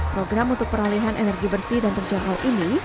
program untuk peralihan energi bersih dan terjangkau ini